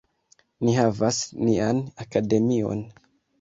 Ni havas nian Akademion.